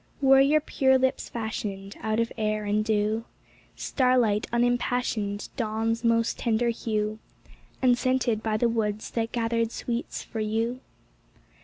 Were your pure lips fashioned Out of air and dew— Starlight unimpassioned, Dawn's most tender hue, And scented by the woods that gathered sweets for you?